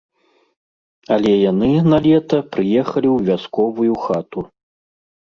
Але яны на лета прыехалі ў вясковую хату.